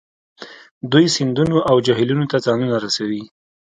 دوی سیندونو او جهیلونو ته ځانونه رسوي